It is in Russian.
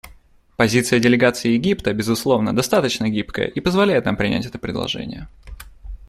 Позиция делегации Египта, безусловно, достаточно гибкая и позволяет нам принять это предложение.